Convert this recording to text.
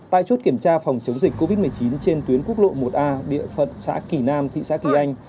tại chốt kiểm tra phòng chống dịch covid một mươi chín trên tuyến quốc lộ một a địa phận xã kỳ nam thị xã kỳ anh